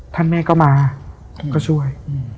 ท่านแม่ก็มาก็ช่วย